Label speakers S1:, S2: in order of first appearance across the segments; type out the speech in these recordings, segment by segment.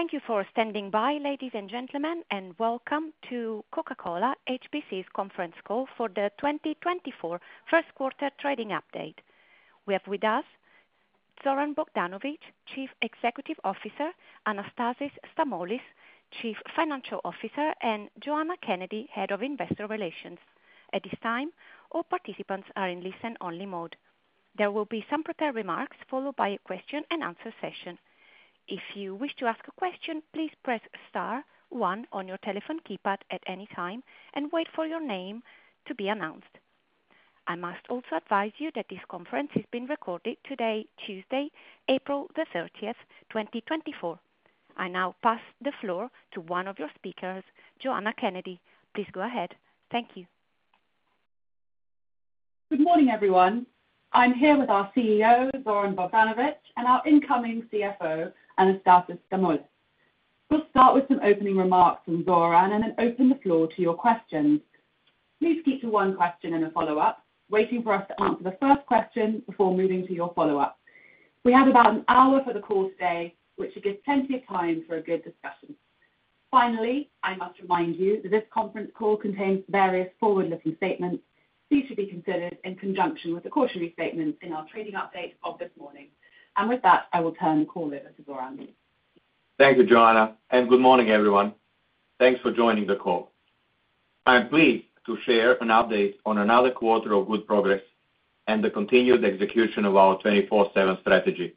S1: Thank you for standing by, ladies and gentlemen, and welcome to Coca-Cola HBC's conference call for the 2024 first quarter trading update. We have with us Zoran Bogdanovic, Chief Executive Officer, Anastasis Stamoulis, Chief Financial Officer, and Joanna Kennedy, Head of Investor Relations. At this time, all participants are in listen-only mode. There will be some prepared remarks, followed by a question-and-answer session. If you wish to ask a question, please press star one on your telephone keypad at any time and wait for your name to be announced. I must also advise you that this conference is being recorded today, Tuesday, April 30th, 2024. I now pass the floor to one of your speakers, Joanna Kennedy. Please go ahead. Thank you.
S2: Good morning, everyone. I'm here with our CEO, Zoran Bogdanovic, and our incoming CFO, Anastasis Stamoulis. We'll start with some opening remarks from Zoran and then open the floor to your questions. Please keep to one question and a follow-up, waiting for us to answer the first question before moving to your follow-up. We have about an hour for the call today, which should give plenty of time for a good discussion. Finally, I must remind you that this conference call contains various forward-looking statements. These should be considered in conjunction with the cautionary statements in our trading update of this morning. With that, I will turn the call over to Zoran.
S3: Thank you, Joanna, and good morning, everyone. Thanks for joining the call. I am pleased to share an update on another quarter of good progress and the continued execution of our 24/7 strategy.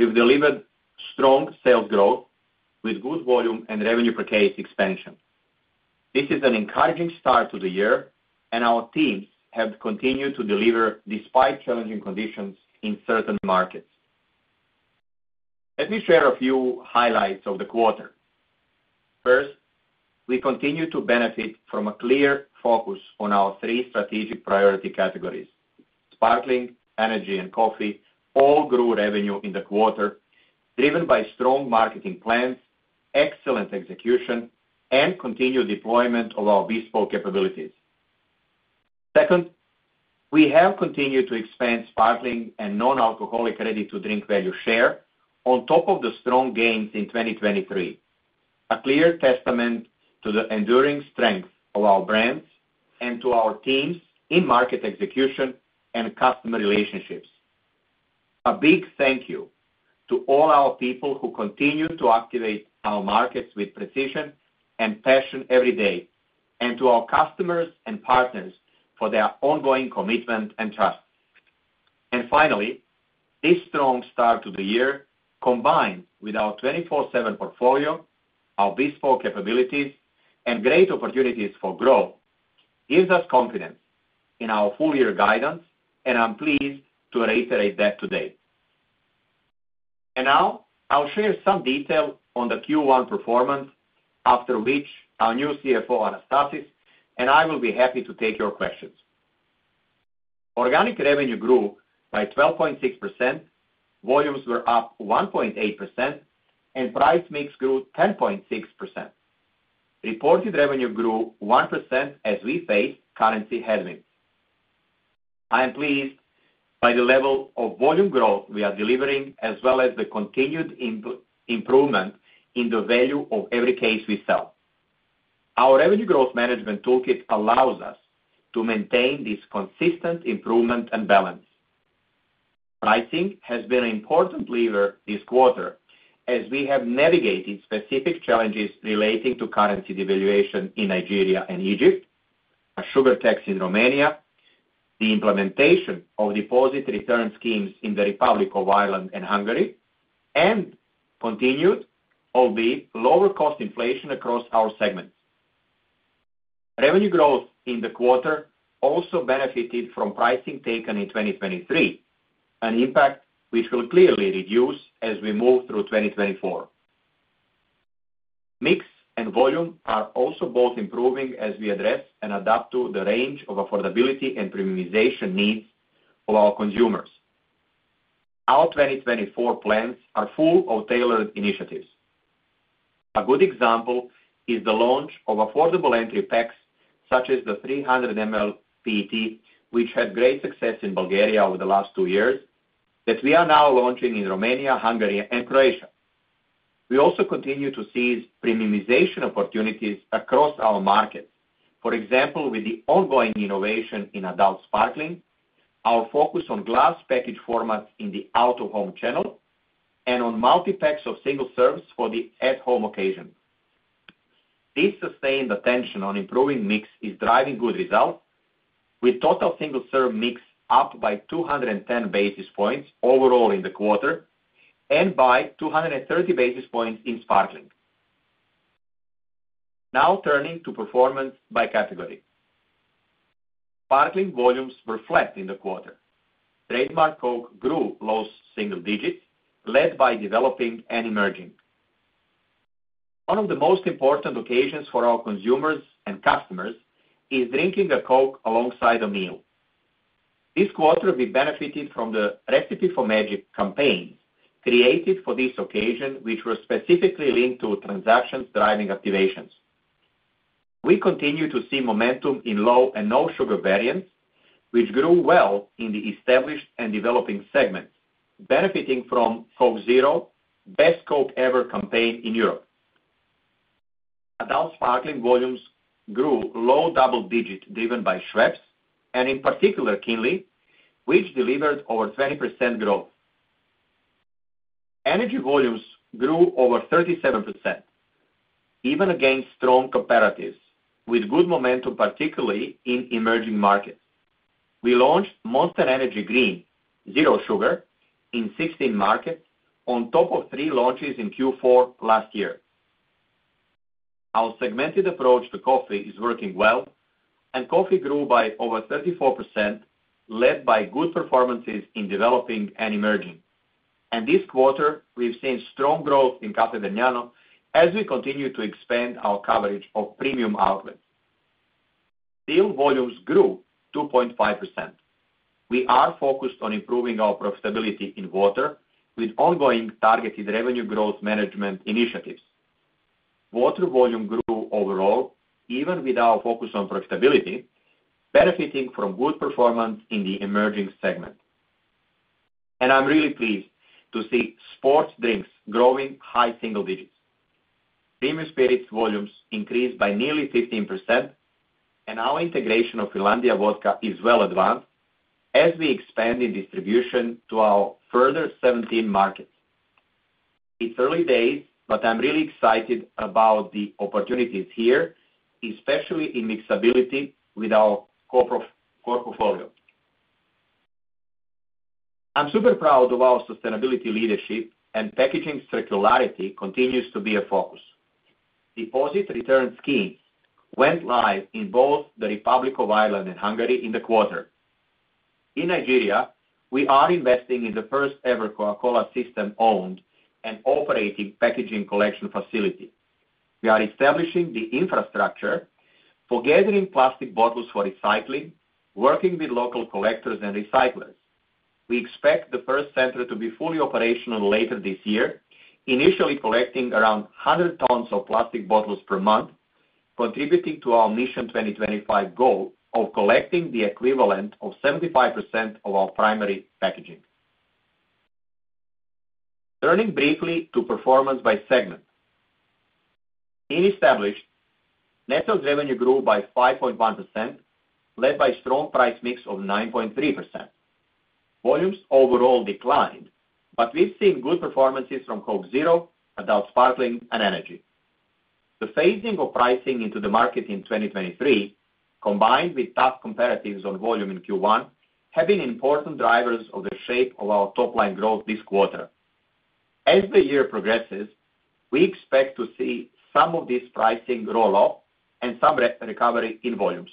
S3: We've delivered strong sales growth with good volume and revenue per case expansion. This is an encouraging start to the year, and our teams have continued to deliver despite challenging conditions in certain markets. Let me share a few highlights of the quarter. First, we continue to benefit from a clear focus on our three strategic priority categories. Sparkling, energy, and coffee all grew revenue in the quarter, driven by strong marketing plans, excellent execution, and continued deployment of our bespoke capabilities. Second, we have continued to expand sparkling and non-alcoholic ready-to-drink value share on top of the strong gains in 2023, a clear testament to the enduring strength of our brands and to our teams in market execution and customer relationships. A big thank you to all our people who continue to activate our markets with precision and passion every day, and to our customers and partners for their ongoing commitment and trust. And finally, this strong start to the year, combined with our 24/7 portfolio, our bespoke capabilities, and great opportunities for growth, gives us confidence in our full year guidance, and I'm pleased to reiterate that today. And now I'll share some detail on the Q1 performance, after which our new CFO, Anastasis, and I will be happy to take your questions. Organic revenue grew by 12.6%, volumes were up 1.8%, and price mix grew 10.6%. Reported revenue grew 1% as we faced currency headwinds. I am pleased by the level of volume growth we are delivering, as well as the continued improvement in the value of every case we sell. Our revenue growth management toolkit allows us to maintain this consistent improvement and balance. Pricing has been an important lever this quarter as we have navigated specific challenges relating to currency devaluation in Nigeria and Egypt, a sugar tax in Romania, the implementation of deposit return schemes in the Republic of Ireland and Hungary, and continued, albeit lower cost inflation across our segments. Revenue growth in the quarter also benefited from pricing taken in 2023, an impact which will clearly reduce as we move through 2024. Mix and volume are also both improving as we address and adapt to the range of affordability and premiumization needs of our consumers. Our 2024 plans are full of tailored initiatives. A good example is the launch of affordable entry packs, such as the 300 mL PET, which had great success in Bulgaria over the last two years, that we are now launching in Romania, Hungary, and Croatia. We also continue to seize premiumization opportunities across our markets. For example, with the ongoing innovation in Adult Sparkling, our focus on glass package formats in the out-of-home channel, and on multipacks of single serves for the at-home occasion. This sustained attention on improving mix is driving good results, with total single-serve mix up by 210 basis points overall in the quarter and by 230 basis points in Sparkling. Now turning to performance by category. Sparkling volumes were flat in the quarter. Trademark Coke grew low single digits, led by developing and emerging. One of the most important occasions for our consumers and customers is drinking a Coke alongside a meal. This quarter, we benefited from the Recipe for Magic campaign, created for this occasion, which was specifically linked to transactions driving activations. We continue to see momentum in low and no sugar variants, which grew well in the established and developing segments, benefiting from Coke Zero, Best Coke Ever campaign in Europe. Adult sparkling volumes grew low double digits, driven by Schweppes, and in particular, Kinley, which delivered over 20% growth. Energy volumes grew over 37%, even against strong comparatives, with good momentum, particularly in emerging markets. We launched Monster Energy Green, zero sugar, in 16 markets on top of three launches in Q4 last year. Our segmented approach to coffee is working well, and coffee grew by over 34%, led by good performances in developing and emerging. This quarter, we've seen strong growth in Caffè Vergnano as we continue to expand our coverage of premium outlets. Still volumes grew 2.5%. We are focused on improving our profitability in water, with ongoing targeted revenue growth management initiatives. Water volume grew overall, even with our focus on profitability, benefiting from good performance in the emerging segment. I'm really pleased to see sports drinks growing high single digits. Premium spirits volumes increased by nearly 15%, and our integration of Finlandia Vodka is well advanced as we expand in distribution to our further 17 markets. It's early days, but I'm really excited about the opportunities here, especially in mixability with our core portfolio. I'm super proud of our sustainability leadership, and packaging circularity continues to be a focus. Deposit return scheme went live in both the Republic of Ireland and Hungary in the quarter. In Nigeria, we are investing in the first-ever Coca-Cola system owned and operating packaging collection facility. We are establishing the infrastructure for gathering plastic bottles for recycling, working with local collectors and recyclers. We expect the first center to be fully operational later this year, initially collecting around 100 tons of plastic bottles per month, contributing to our Mission 2025 goal of collecting the equivalent of 75% of our primary packaging. Turning briefly to performance by segment. In established, net sales revenue grew by 5.1%, led by strong price mix of 9.3%. Volumes overall declined, but we've seen good performances from Coke Zero, Adult Sparkling, and Energy. The phasing of pricing into the market in 2023, combined with tough comparatives on volume in Q1, have been important drivers of the shape of our top line growth this quarter. As the year progresses, we expect to see some of this pricing roll off and some recovery in volumes.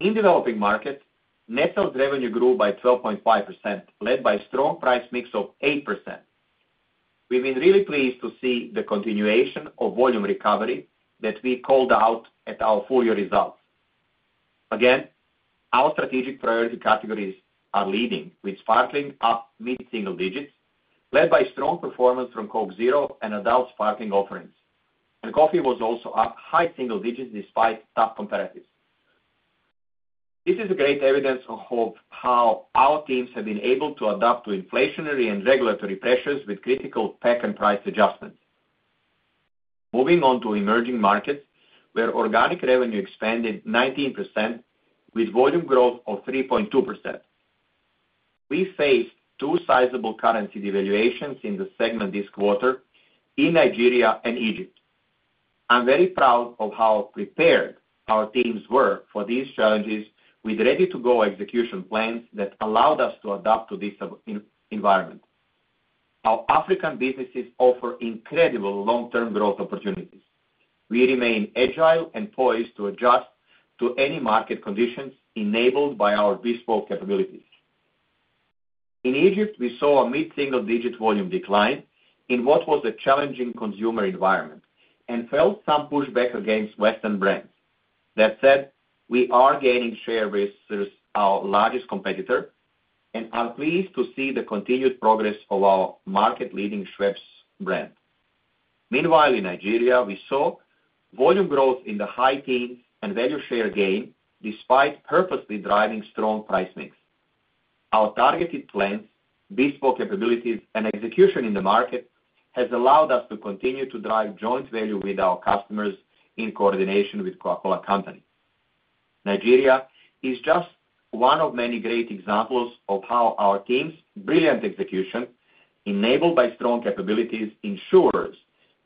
S3: In developing markets, net sales revenue grew by 12.5%, led by strong price mix of 8%. We've been really pleased to see the continuation of volume recovery that we called out at our full year results. Again, our strategic priority categories are leading, with sparkling up mid-single digits, led by strong performance from Coke Zero and Adult Sparkling offerings. Coffee was also up high single digits despite tough comparatives. This is a great evidence of how our teams have been able to adapt to inflationary and regulatory pressures with critical pack and price adjustments. Moving on to emerging markets, where organic revenue expanded 19% with volume growth of 3.2%. We faced two sizable currency devaluations in the segment this quarter in Nigeria and Egypt. I'm very proud of how prepared our teams were for these challenges with ready-to-go execution plans that allowed us to adapt to this environment. Our African businesses offer incredible long-term growth opportunities. We remain agile and poised to adjust to any market conditions enabled by our bespoke capabilities. In Egypt, we saw a mid-single digit volume decline in what was a challenging consumer environment and felt some pushback against Western brands. That said, we are gaining share versus our largest competitor, and I'm pleased to see the continued progress of our market-leading Schweppes brand. Meanwhile, in Nigeria, we saw volume growth in the high teens and value share gain, despite purposely driving strong price mix. Our targeted plans, bespoke capabilities, and execution in the market has allowed us to continue to drive joint value with our customers in coordination with Coca-Cola Company. Nigeria is just one of many great examples of how our team's brilliant execution, enabled by strong capabilities, ensures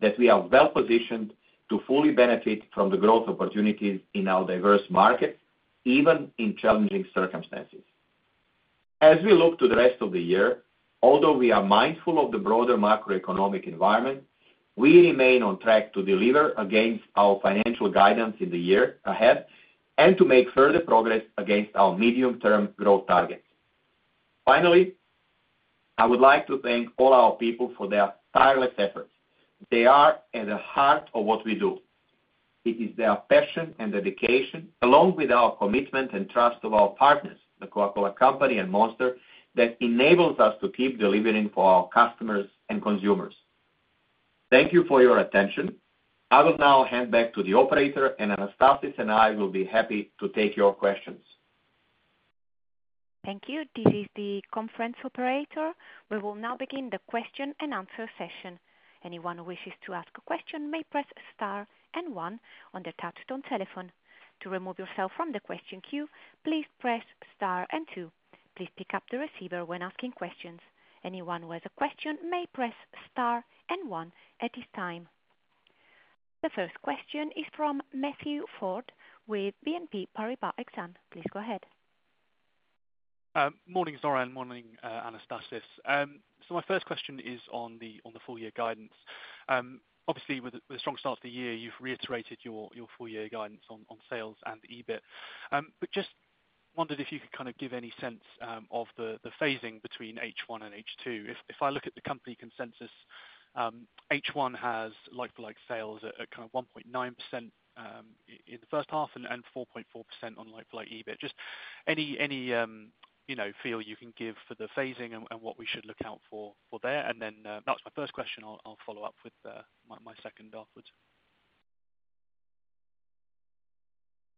S3: that we are well positioned to fully benefit from the growth opportunities in our diverse market, even in challenging circumstances. As we look to the rest of the year, although we are mindful of the broader macroeconomic environment, we remain on track to deliver against our financial guidance in the year ahead and to make further progress against our medium-term growth targets. Finally, I would like to thank all our people for their tireless efforts. They are at the heart of what we do. It is their passion and dedication, along with our commitment and trust of our partners, the Coca-Cola Company and Monster, that enables us to keep delivering for our customers and consumers. Thank you for your attention. I will now hand back to the operator, and Anastasis and I will be happy to take your questions.
S1: Thank you. This is the conference operator. We will now begin the question and answer session. Anyone who wishes to ask a question may press star and one on their touchtone telephone. To remove yourself from the question queue, please press star and two. Please pick up the receiver when asking questions. Anyone who has a question may press star and one at this time. The first question is from Matthew Ford with BNP Paribas Exane. Please go ahead.
S4: Morning, Zoran, morning, Anastasis. So my first question is on the full year guidance. Obviously, with a strong start to the year, you've reiterated your full year guidance on sales and EBIT. But just wondered if you could kind of give any sense of the phasing between H1 and H2. If I look at the company consensus, H1 has like-for-like sales at kind of 1.9% in the first half and 4.4% on like-for-like EBIT. Just any, you know, feel you can give for the phasing and what we should look out for there? And then, that's my first question. I'll follow-up with my second afterwards.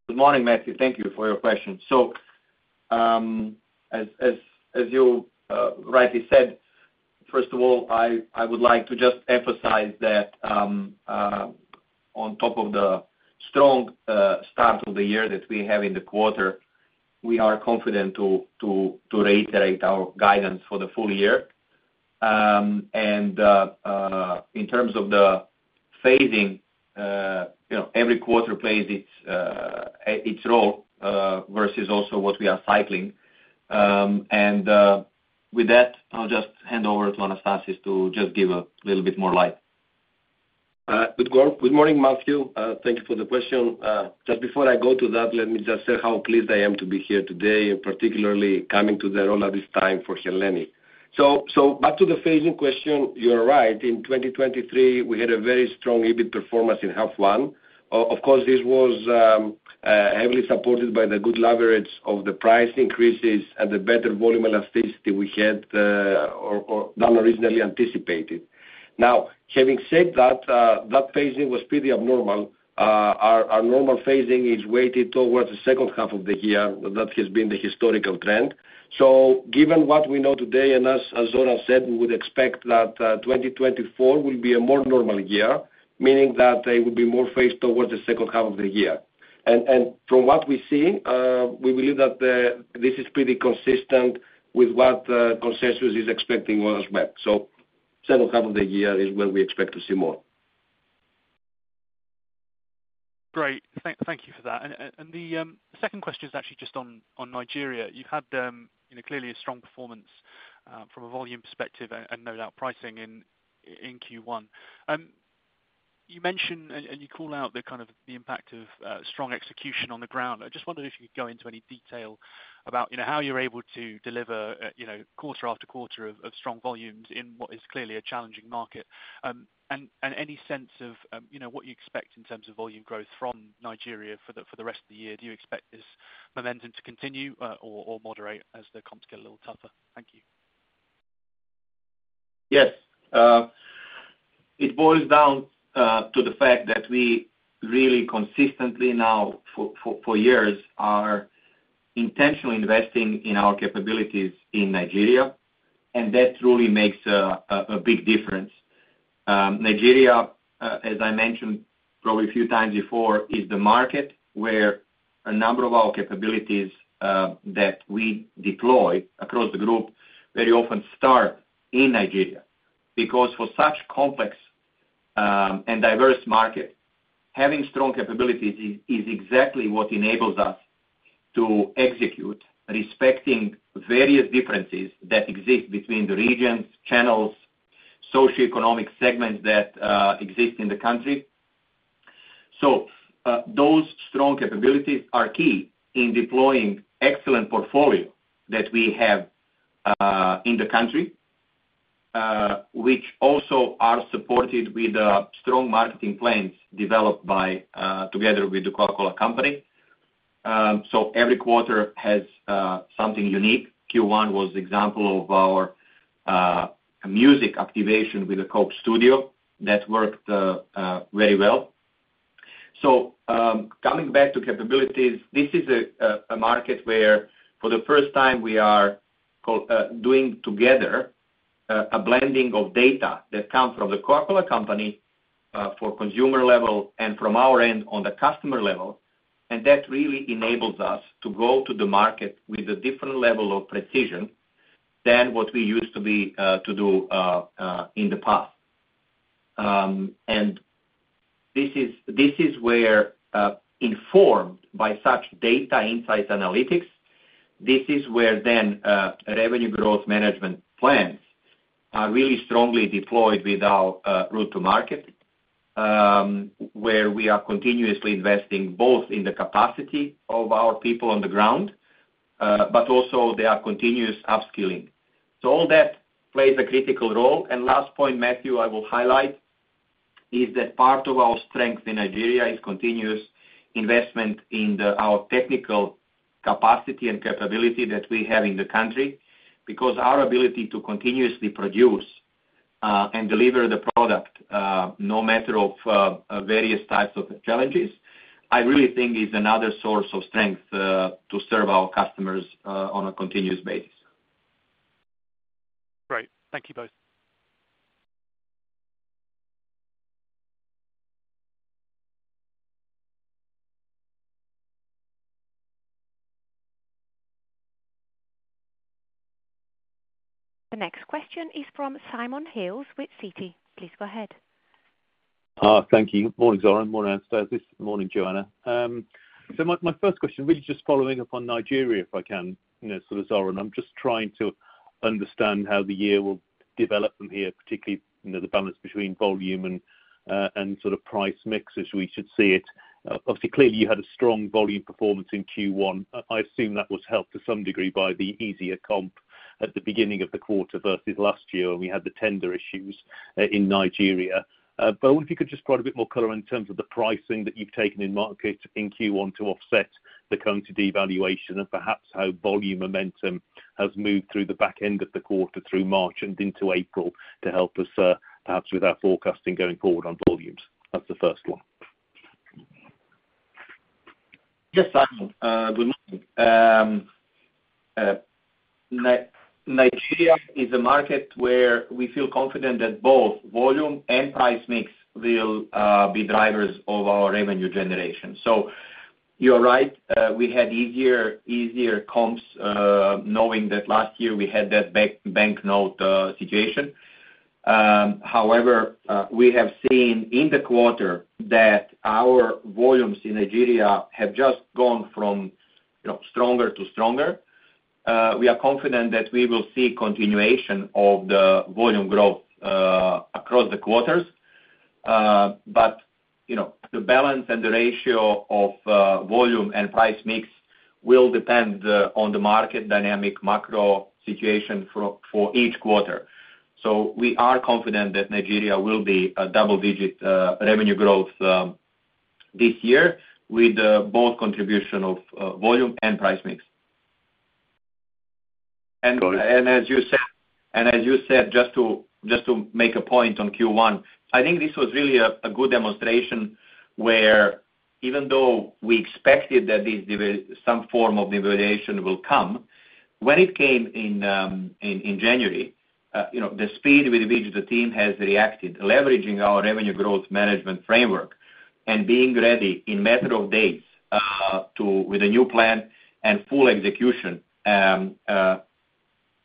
S3: Good morning, Matthew. Thank you for your question. So, as you rightly said, first of all, I would like to just emphasize that, on top of the strong start of the year that we have in the quarter, we are confident to reiterate our guidance for the full year. And, in terms of the phasing, you know, every quarter plays its role, versus also what we are cycling. And, with that, I'll just hand over to Anastasis to just give a little bit more light.
S5: Good morning, Matthew. Thank you for the question. Just before I go to that, let me just say how pleased I am to be here today, and particularly coming to the role at this time for Hellenic. So back to the phasing question, you're right, in 2023, we had a very strong EBIT performance in half one. Of course, this was heavily supported by the good leverage of the price increases and the better volume elasticity we had than originally anticipated. Now, having said that, that phasing was pretty abnormal. Our normal phasing is weighted towards the second half of the year. That has been the historical trend. So given what we know today, and as Zoran said, we would expect that 2024 will be a more normal year, meaning that it would be more phased towards the second half of the year. And from what we see, we believe that this is pretty consistent with what consensus is expecting as well. So second half of the year is when we expect to see more.
S4: Great. Thank you for that. The second question is actually just on Nigeria. You've had, you know, clearly a strong performance from a volume perspective and no doubt pricing in Q1. You mentioned and you call out the kind of the impact of strong execution on the ground. I just wondered if you could go into any detail about, you know, how you're able to deliver, you know, quarter after quarter of strong volumes in what is clearly a challenging market. And any sense of, you know, what you expect in terms of volume growth from Nigeria for the rest of the year? Do you expect this momentum to continue or moderate as the comps get a little tougher? Thank you.
S3: Yes. It boils down to the fact that we really consistently now for years are intentionally investing in our capabilities in Nigeria, and that really makes a big difference. Nigeria, as I mentioned probably a few times before, is the market where a number of our capabilities that we deploy across the group very often start in Nigeria. Because for such complex and diverse market, having strong capabilities is exactly what enables us to execute, respecting various differences that exist between the regions, channels, socioeconomic segments that exist in the country. So, those strong capabilities are key in deploying excellent portfolio that we have in the country, which also are supported with strong marketing plans developed by together with the Coca-Cola Company. So every quarter has something unique. Q1 was an example of our music activation with the Coke Studio. That worked very well. So, coming back to capabilities, this is a market where for the first time we are co-doing together a blending of data that comes from the Coca-Cola Company for consumer level and from our end on the customer level. And that really enables us to go to the market with a different level of precision than what we used to be to do in the past. And this is where, informed by such data insight analytics, this is where then revenue growth management plans are really strongly deployed with our route to market, where we are continuously investing both in the capacity of our people on the ground but also they are continuous upskilling. So all that plays a critical role. Last point, Matthew, I will highlight, is that part of our strength in Nigeria is continuous investment in our technical capacity and capability that we have in the country, because our ability to continuously produce and deliver the product, no matter of various types of challenges, I really think is another source of strength to serve our customers on a continuous basis.
S4: Great. Thank you both.
S1: The next question is from Simon Hales with Citi. Please go ahead.
S6: Thank you. Morning, Zoran. Morning, Anastasis. Morning, Joanna. So my first question, really just following up on Nigeria, if I can, you know, sort of, Zoran, I'm just trying to understand how the year will develop from here, particularly, you know, the balance between volume and and sort of price mix, as we should see it. Obviously, clearly, you had a strong volume performance in Q1. I assume that was helped to some degree by the easier comp at the beginning of the quarter versus last year when we had the tender issues in Nigeria. I wonder if you could just provide a bit more color in terms of the pricing that you've taken in market in Q1 to offset the current devaluation, and perhaps how volume momentum has moved through the back end of the quarter through March and into April to help us, perhaps with our forecasting going forward on volumes. That's the first one.
S3: Yes, Simon, good morning. Nigeria is a market where we feel confident that both volume and price mix will be drivers of our revenue generation. So you're right, we had easier comps, knowing that last year we had that banknote situation. However, we have seen in the quarter that our volumes in Nigeria have just gone from, you know, stronger to stronger. We are confident that we will see continuation of the volume growth across the quarters. But, you know, the balance and the ratio of volume and price mix will depend on the market dynamic macro situation for each quarter. So we are confident that Nigeria will be a double-digit revenue growth this year with both contribution of volume and price mix.
S6: Got it.
S3: As you said, just to make a point on Q1, I think this was really a good demonstration, where even though we expected that this devaluation will come, when it came in January, you know, the speed with which the team has reacted, leveraging our revenue growth management framework and being ready in a matter of days with a new plan and full execution.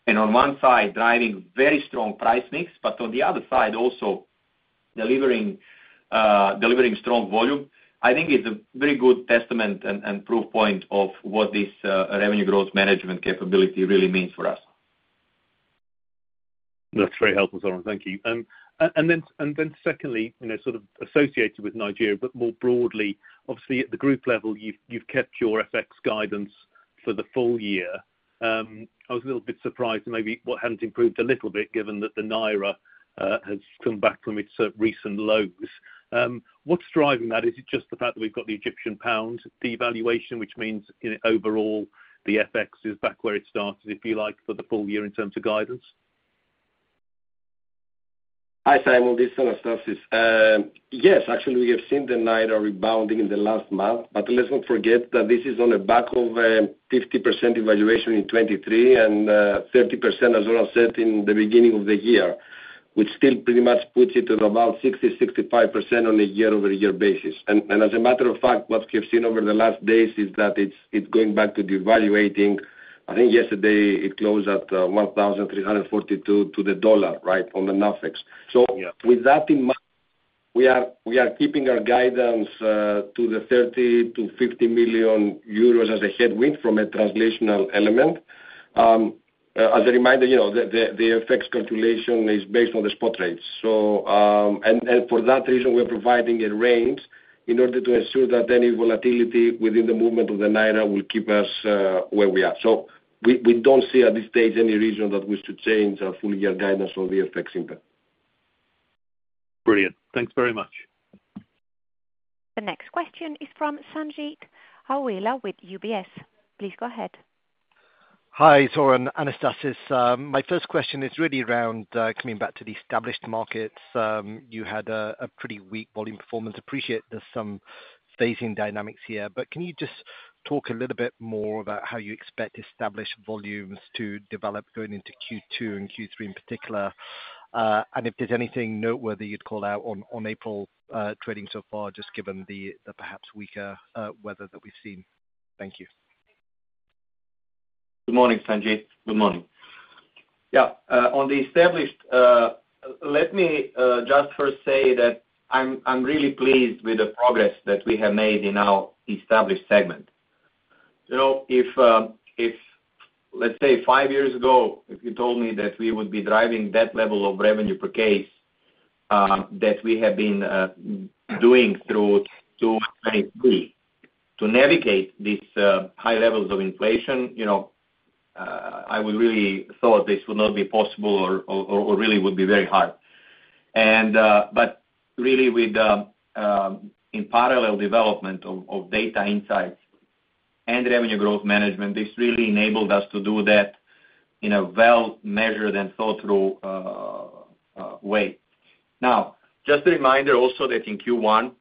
S3: And on one side, driving very strong price mix, but on the other side, also delivering strong volume, I think it's a very good testament and proof point of what this revenue growth management capability really means for us.
S6: That's very helpful, Zoran. Thank you. And then secondly, you know, sort of associated with Nigeria, but more broadly, obviously, at the group level, you've kept your FX guidance for the full year. I was a little bit surprised maybe what hadn't improved a little bit, given that the Naira has come back from its recent lows. What's driving that? Is it just the fact that we've got the Egyptian pound devaluation, which means, you know, overall, the FX is back where it started, if you like, for the full year in terms of guidance?
S5: Hi, Simon, this is Anastasis. Uh, yes, actually, we have seen the Naira rebounding in the last month, but let's not forget that this is on the back of, uh, 50% devaluation in 2023 and, uh, 30%, as Zoran said, in the beginning of the year, which still pretty much puts it at about 60%-65% on a year-over-year basis. And, and as a matter of fact, what we have seen over the last days is that it's, it's going back to devaluing. I think yesterday it closed at, uh, 1,342 to the dollar, right, on the NAFEX.
S6: Yeah.
S5: So with that in mind, we are keeping our guidance to the 30 million-50 million euros as a headwind from a translational element. As a reminder, you know, the FX calculation is based on the spot rates. So for that reason, we're providing a range in order to ensure that any volatility within the movement of the Naira will keep us where we are. So we don't see at this stage any reason that we should change our full year guidance on the FX impact.
S6: Brilliant. Thanks very much.
S1: The next question is from Sanjeet Aujla with UBS. Please go ahead.
S7: Hi, Zoran, Anastasis. My first question is really around, coming back to the established markets. You had a, a pretty weak volume performance. Appreciate there's some phasing dynamics here, but can you just talk a little bit more about how you expect established volumes to develop going into Q2 and Q3 in particular? If there's anything noteworthy you'd call out on April trading so far, just given the, the perhaps weaker weather that we've seen. Thank you.
S3: Good morning, Sanjeet. Good morning. Yeah, on the established, let me just first say that I'm really pleased with the progress that we have made in our established segment. You know, if let's say five years ago, if you told me that we would be driving that level of revenue per case that we have been doing through to 2023, to navigate these high levels of inflation, you know, I would really thought this would not be possible or really would be very hard. But really with the in parallel development of data insights and the revenue growth management, this really enabled us to do that in a well-measured and thought through way. Now, just a reminder also that in Q1,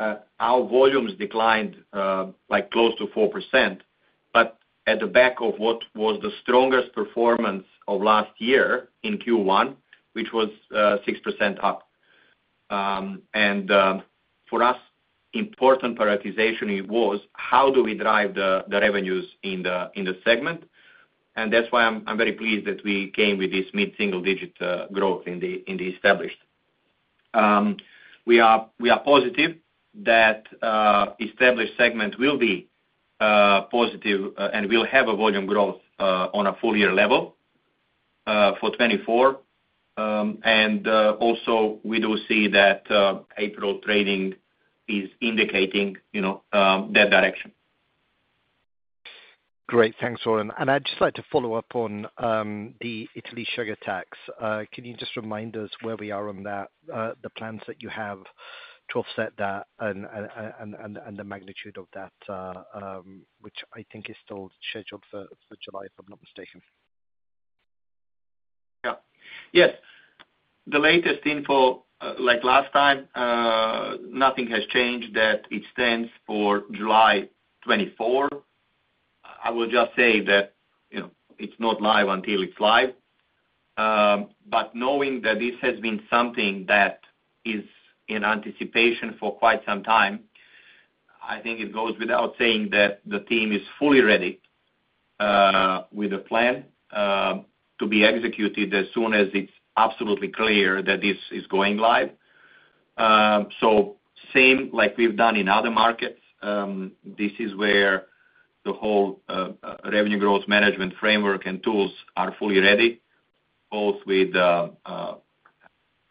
S3: our volumes declined like close to 4%, but at the back of what was the strongest performance of last year in Q1, which was 6% up. And for us, important prioritization, it was how do we drive the revenues in the segment? And that's why I'm very pleased that we came with this mid-single digit growth in the established. We are positive that established segment will be positive and will have a volume growth on a full year level for 2024. And also we do see that April trading is indicating, you know, that direction.
S7: Great. Thanks, Zoran. And I'd just like to follow-up on the Italy sugar tax. Can you just remind us where we are on that, the plans that you have to offset that and the magnitude of that, which I think is still scheduled for July, if I'm not mistaken?
S3: Yeah. Yes. The latest info, like last time, nothing has changed, that it stands for July 2024. I will just say that, you know, it's not live until it's live. But knowing that this has been something that is in anticipation for quite some time, I think it goes without saying that the team is fully ready, with a plan, to be executed as soon as it's absolutely clear that this is going live. So same like we've done in other markets, this is where the whole, revenue growth management framework and tools are fully ready, both with,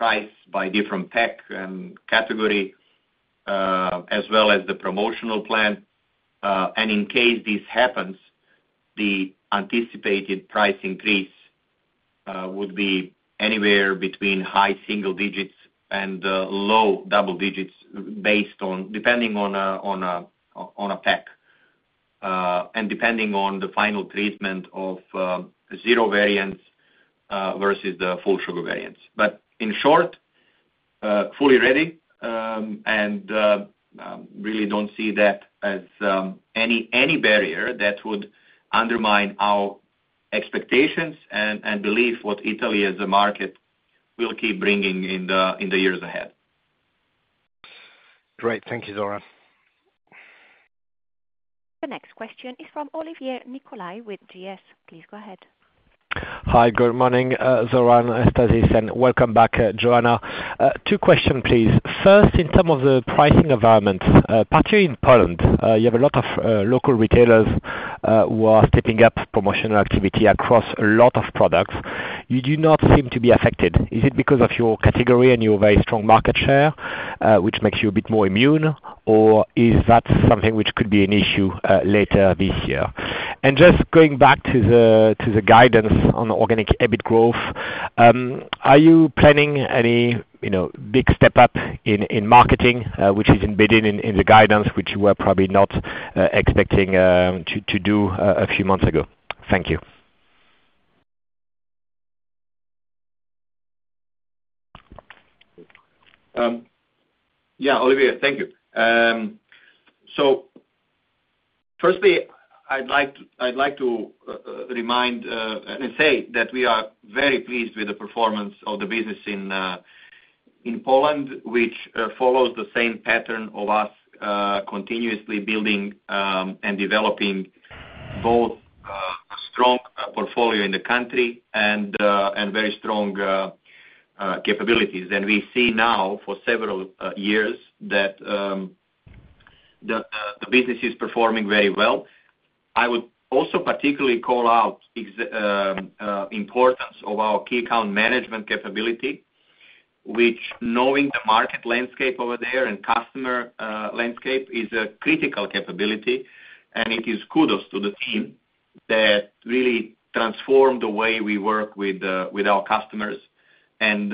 S3: price by different pack and category, as well as the promotional plan. And in case this happens, the anticipated price increase would be anywhere between high single digits and low double digits, based on, depending on a pack, and depending on the final treatment of zero variants versus the full sugar variants. But in short, fully ready, and really don't see that as any barrier that would undermine our expectations and believe what Italy as a market will keep bringing in the years ahead.
S7: Great. Thank you, Zoran.
S1: The next question is from Olivier Nicolai with GS. Please go ahead.
S8: Hi, good morning, Zoran, Anastasis, and welcome back, Joanna. Two question, please. First, in terms of the pricing environment, particularly in Poland, you have a lot of local retailers who are stepping up promotional activity across a lot of products. You do not seem to be affected. Is it because of your category and your very strong market share, which makes you a bit more immune, or is that something which could be an issue later this year? And just going back to the guidance on organic EBIT growth, are you planning any, you know, big step up in marketing, which is embedded in the guidance, which you were probably not expecting to do a few months ago? Thank you.
S3: Yeah, Olivier, thank you. So firstly, I'd like to remind and say that we are very pleased with the performance of the business in Poland, which follows the same pattern of us continuously building and developing both strong portfolio in the country and very strong capabilities. And we see now for several years that the business is performing very well. I would also particularly call out the importance of our key account management capability, which knowing the market landscape over there and customer landscape, is a critical capability, and it is kudos to the team that really transformed the way we work with our customers and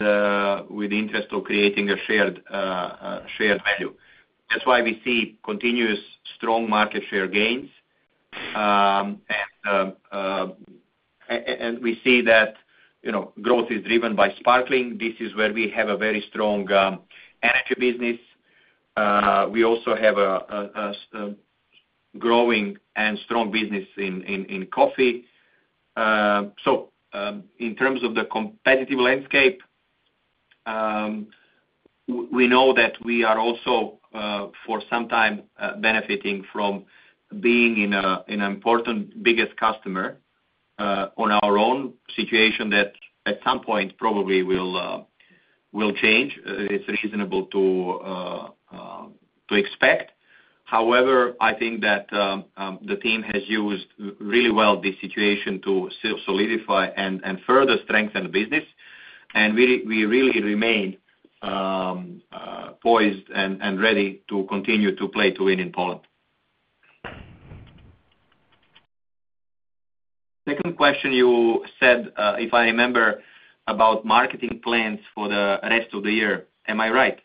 S3: with the interest of creating a shared value. That's why we see continuous strong market share gains, and we see that, you know, growth is driven by sparkling. This is where we have a very strong energy business. We also have a growing and strong business in coffee. So, in terms of the competitive landscape, we know that we are also, for some time, benefiting from being in a, an important biggest customer, on our own situation that at some point probably will change. It's reasonable to expect. However, I think that the team has used really well this situation to solidify and further strengthen the business, and we really remain poised and ready to continue to play to win in Poland. Second question you said, if I remember, about marketing plans for the rest of the year, am I right?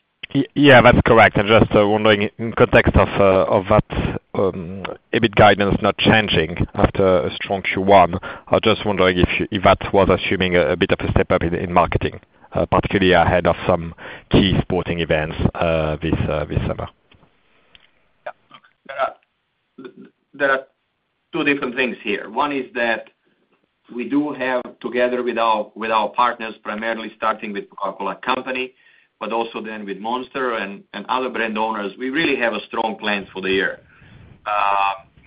S8: Yeah, that's correct. I'm just wondering in context of that EBIT guidance not changing after a strong Q1. I'm just wondering if that was assuming a bit of a step up in marketing, particularly ahead of some key sporting events this summer.
S3: Yeah. Look, there are two different things here. One is that we do have together with our partners, primarily starting with Coca-Cola Company, but also then with Monster and other brand owners, we really have a strong plan for the year.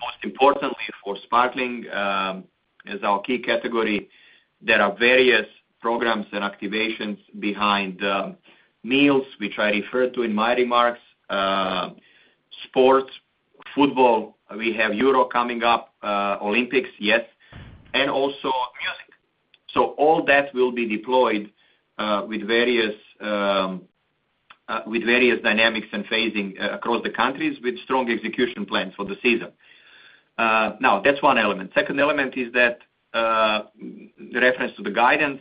S3: Most importantly for Sparkling, as our key category, there are various programs and activations behind meals, which I referred to in my remarks, sports, football, we have Euro coming up, Olympics, yes, and also music. So all that will be deployed with various dynamics and phasing across the countries with strong execution plans for the season. Now, that's one element. Second element is that the reference to the guidance,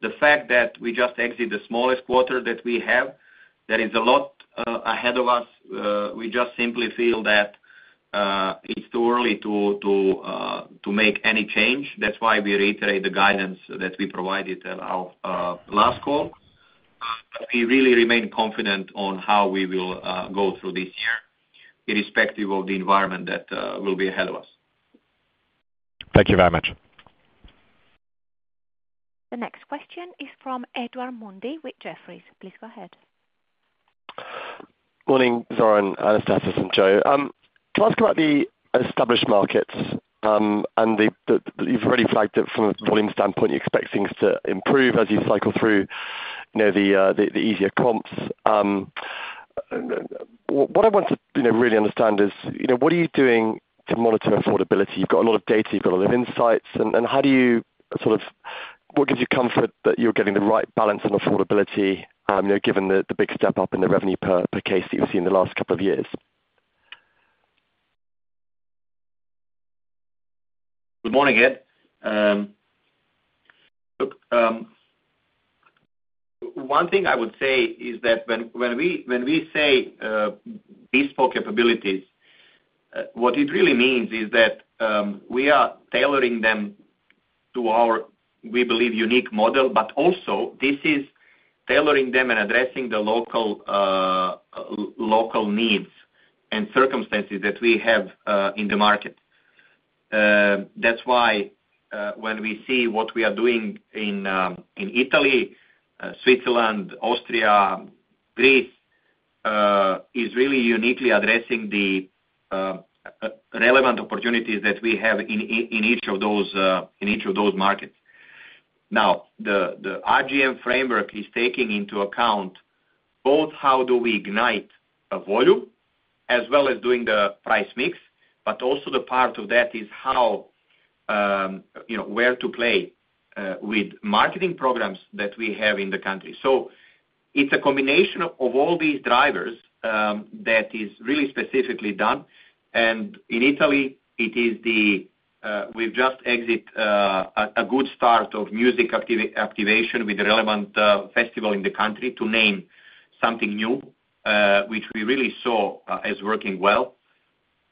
S3: the fact that we just exit the smallest quarter that we have, there is a lot ahead of us. We just simply feel that it's too early to make any change. That's why we reiterate the guidance that we provided at our last call. We really remain confident on how we will go through this year, irrespective of the environment that will be ahead of us.
S8: Thank you very much.
S1: The next question is from Edward Mundy with Jefferies. Please go ahead.
S9: Morning, Zoran, Anastasis, and Joanna. Can I ask about the established markets, and the. You've already flagged it from a volume standpoint, you expect things to improve as you cycle through, you know, the easier comps. What I want to, you know, really understand is, you know, what are you doing to monitor affordability? You've got a lot of data, you've got a lot of insights, and, and how do you sort of, what gives you comfort that you're getting the right balance on affordability, you know, given the big step up in the revenue per case that you've seen in the last couple of years?
S3: Good morning, Ed. Look, one thing I would say is that when we say bespoke capabilities, what it really means is that we are tailoring them to our, we believe, unique model, but also this is tailoring them and addressing the local, local needs and circumstances that we have in the market. That's why, when we see what we are doing in Italy, Switzerland, Austria, Greece, is really uniquely addressing the relevant opportunities that we have in each of those, in each of those markets. Now, the RGM framework is taking into account both how do we ignite a volume as well as doing the price mix, but also the part of that is how, you know, where to play with marketing programs that we have in the country. So it's a combination of all these drivers that is really specifically done. And in Italy, it is the we've just exit a good start of music activation with the relevant festival in the country to name something new which we really saw as working well.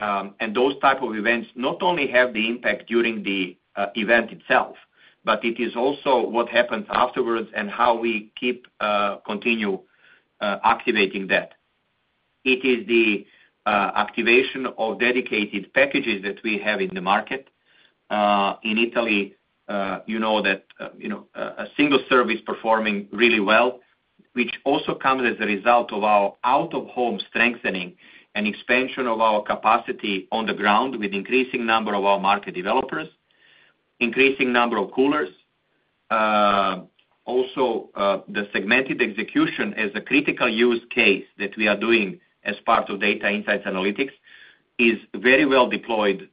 S3: And those type of events not only have the impact during the event itself, but it is also what happens afterwards and how we keep continue activating that. It is the activation of dedicated packages that we have in the market. In Italy, you know, that, you know, a single serve is performing really well, which also comes as a result of our out-of-home strengthening and expansion of our capacity on the ground with increasing number of our market developers, increasing number of coolers. Also, the segmented execution as a critical use case that we are doing as part of data insights analytics is very well deployed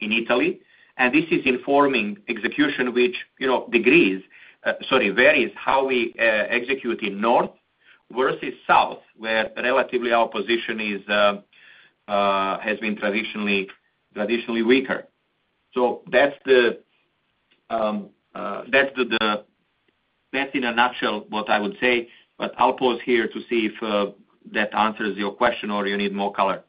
S3: in Italy. And this is informing execution which, you know, degrees, sorry, varies how we execute in north versus south, where relatively our position is, has been traditionally weaker. So that's the. That's in a nutshell, what I would say, but I'll pause here to see if that answers your question or you need more color.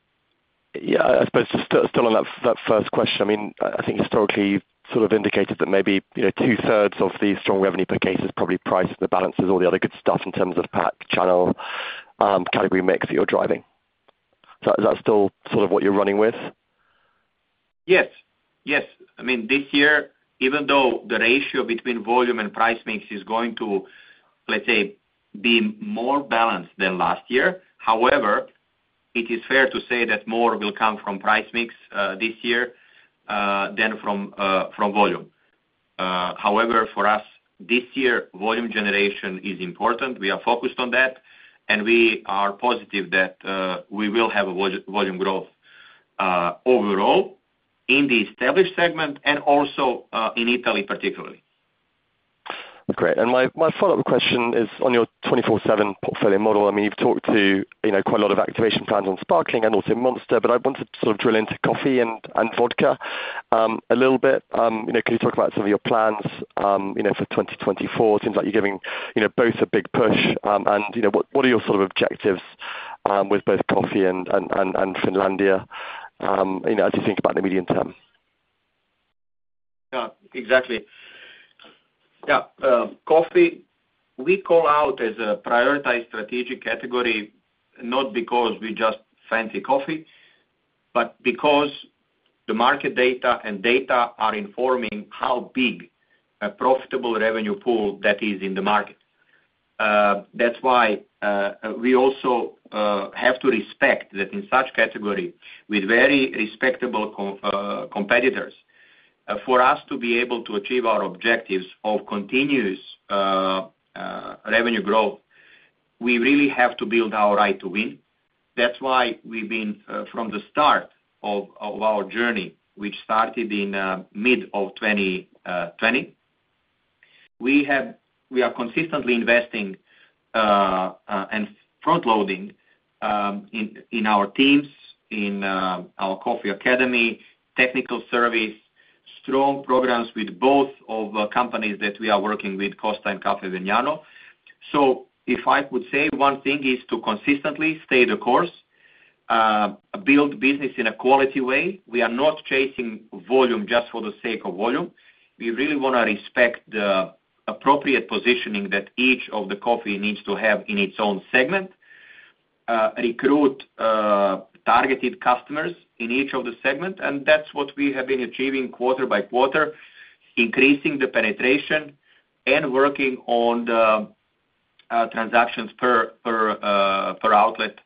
S9: Yeah, I suppose just still on that first question. I mean, I think historically, you sort of indicated that maybe, you know, two-thirds of the strong revenue per case is probably priced to balance all the other good stuff in terms of pack, channel, category mix that you're driving. So is that still sort of what you're running with?
S3: Yes, yes. I mean, this year, even though the ratio between volume and price mix is going to, let's say, be more balanced than last year, however, it is fair to say that more will come from price mix, this year, than from, from volume. However, for us, this year, volume generation is important. We are focused on that, and we are positive that, we will have a volume growth, overall in the established segment and also, in Italy particularly.
S9: Great. My follow-up question is on your 24/7 portfolio model. I mean, you've talked to, you know, quite a lot of activation plans on Sparkling and also Monster, but I wanted to sort of drill into coffee and vodka a little bit. You know, can you talk about some of your plans, you know, for 2024? Seems like you're giving, you know, both a big push, and, you know, what are your sort of objectives with both coffee and Finlandia, you know, as you think about the medium term?
S3: Yeah, exactly. Yeah, coffee, we call out as a prioritized strategic category, not because we just fancy coffee, but because the market data are informing how big a profitable revenue pool that is in the market. That's why, we also, have to respect that in such category, with very respectable competitors, for us to be able to achieve our objectives of continuous revenue growth, we really have to build our right to win. That's why we've been, from the start of our journey, which started in mid-2020, we have—we are consistently investing and frontloading in our teams, in our coffee academy, technical service, strong programs with both of the companies that we are working with, Costa and Caffè Vergnano. So if I could say one thing, is to consistently stay the course, build business in a quality way. We are not chasing volume just for the sake of volume. We really wanna respect the appropriate positioning that each of the coffee needs to have in its own segment, recruit targeted customers in each of the segment, and that's what we have been achieving quarter by quarter, increasing the penetration and working on the transactions per outlet,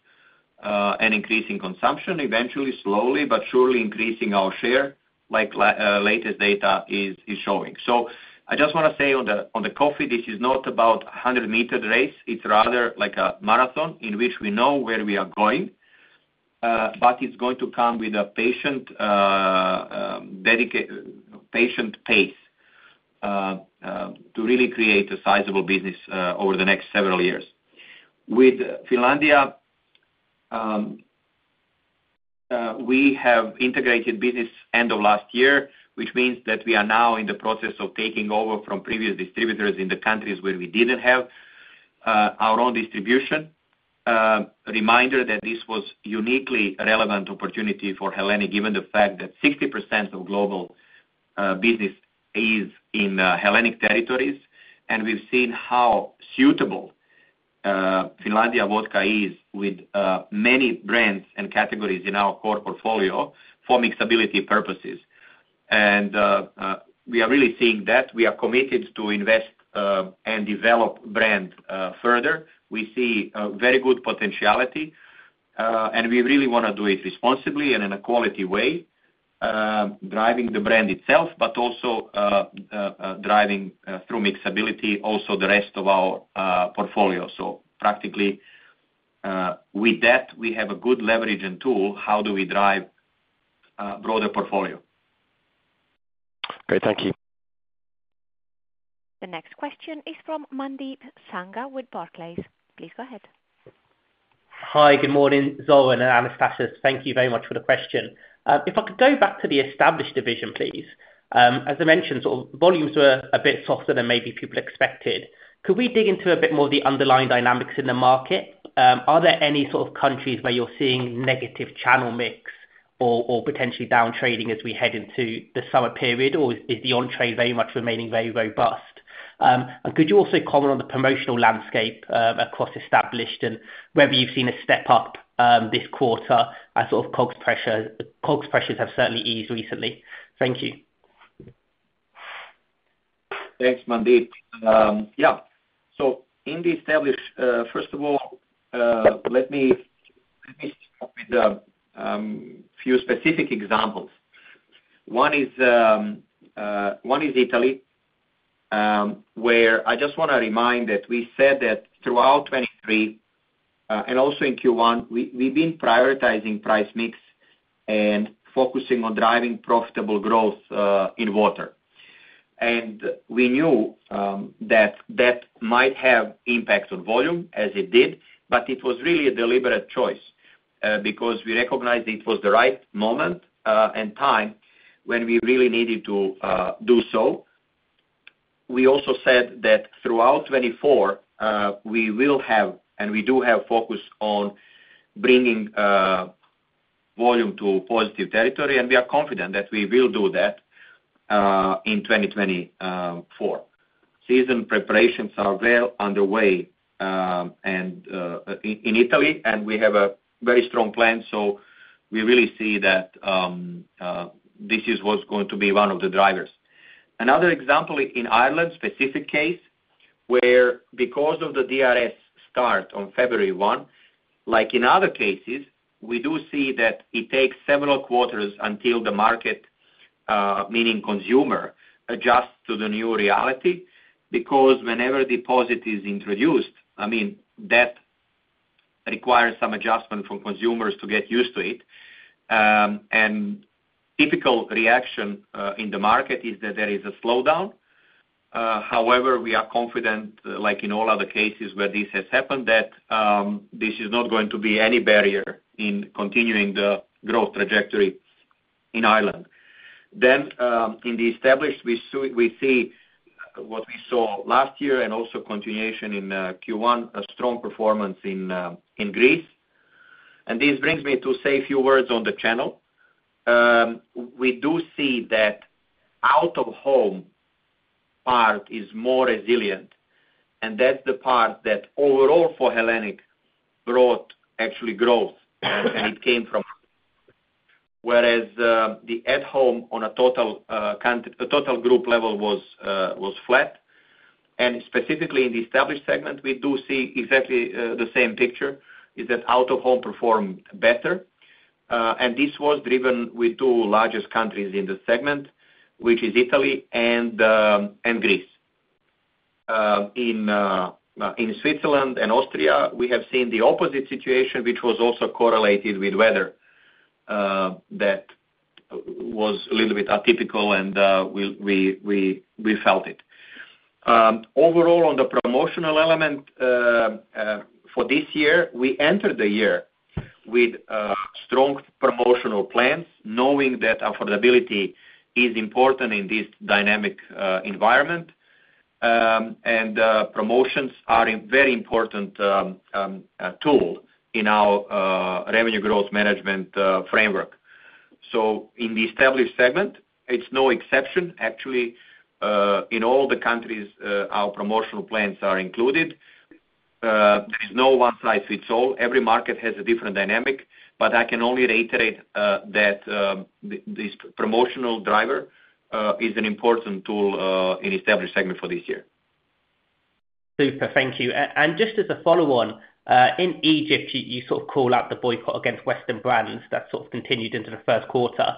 S3: and increasing consumption eventually, slowly, but surely increasing our share, like latest data is showing. So I just wanna say on the coffee, this is not about 100m race, it's rather like a marathon in which we know where we are going, but it's going to come with a patient pace to really create a sizable business over the next several years. With Finlandia, we have integrated business end of last year, which means that we are now in the process of taking over from previous distributors in the countries where we didn't have our own distribution. A reminder that this was uniquely relevant opportunity for Hellenic, given the fact that 60% of global business is in Hellenic territories, and we've seen how suitable Finlandia Vodka is with many brands and categories in our core portfolio for mixability purposes. We are really seeing that. We are committed to invest and develop brand further. We see very good potentiality, and we really wanna do it responsibly and in a quality way, driving the brand itself, but also driving through mixability, also the rest of our portfolio. Practically, with that, we have a good leverage and tool, how do we drive broader portfolio?
S9: Great, thank you.
S1: The next question is from Mandeep Sangha with Barclays. Please go ahead.
S10: Hi, good morning, Zoran and Anastasis, thank you very much for the question. If I could go back to the established division, please. As I mentioned, sort of volumes were a bit softer than maybe people expected. Could we dig into a bit more of the underlying dynamics in the market? Are there any sort of countries where you're seeing negative channel mix or, or potentially down trading as we head into the summer period, or is the on trade very much remaining very robust? And could you also comment on the promotional landscape across established and whether you've seen a step up this quarter as sort of cost pressure? Cost pressures have certainly eased recently. Thank you.
S3: Thanks, Mandeep. Yeah, so in the established, first of all, let me, let me start with the few specific examples. One is, one is Italy, where I just wanna remind that we said that throughout 2023, and also in Q1, we, we've been prioritizing price mix and focusing on driving profitable growth, in water. And we knew, that that might have impacts on volume, as it did, but it was really a deliberate choice, because we recognized it was the right moment, and time when we really needed to, do so. We also said that throughout 2024, we will have, and we do have focus on bringing, volume to a positive territory, and we are confident that we will do that, in 2024. Season preparations are well underway, and in Italy, and we have a very strong plan, so we really see that this is what's going to be one of the drivers. Another example, in Ireland, specific case, where because of the DRS start on February 1, like in other cases, we do see that it takes several quarters until the market, meaning consumer, adjusts to the new reality, because whenever deposit is introduced, I mean, that requires some adjustment for consumers to get used to it. Typical reaction in the market is that there is a slowdown. However, we are confident, like in all other cases where this has happened, that this is not going to be any barrier in continuing the growth trajectory in Ireland. Then, in the established, we see what we saw last year and also continuation in Q1, a strong performance in Greece. And this brings me to say a few words on the channel. We do see that out-of-home part is more resilient, and that's the part that overall for Hellenic brought actually growth, and it came from. Whereas, the at home on a total count, a total group level was flat. And specifically in the established segment, we do see exactly the same picture, is that out-of-home performed better. And this was driven with two largest countries in the segment, which is Italy and Greece. In Switzerland and Austria, we have seen the opposite situation, which was also correlated with weather that was a little bit atypical, and we felt it. Overall, on the promotional element for this year, we entered the year with strong promotional plans, knowing that affordability is important in this dynamic environment. And promotions are a very important tool in our revenue growth management framework. So in the established segment, it's no exception. Actually, in all the countries, our promotional plans are included. There's no one-size-fits-all. Every market has a different dynamic, but I can only reiterate that this promotional driver is an important tool in established segment for this year.
S10: Super, thank you. And just as a follow-on, in Egypt, you, you sort of call out the boycott against Western brands that sort of continued into the first quarter.